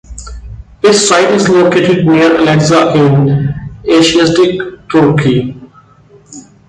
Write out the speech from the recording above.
Its site is located near Alexa in Asiatic Turkey.